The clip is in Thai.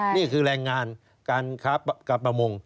นี่คือแรงงานการค้าการประมง